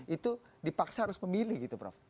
itu dipaksa harus memilih gitu prof